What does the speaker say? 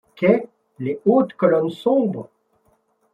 Qué les hautes colonnes sombres